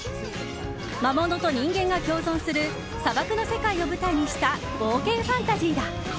魔物と人間が共存する砂漠の世界を舞台にした冒険ファンタジーだ。